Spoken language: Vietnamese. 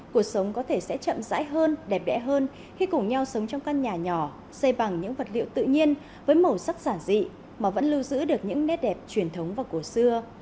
cuộc sống có thể sẽ chậm dãi hơn đẹp đẽ hơn khi cùng nhau sống trong căn nhà nhỏ xây bằng những vật liệu tự nhiên với màu sắc giản dị mà vẫn lưu giữ được những nét đẹp truyền thống và cổ xưa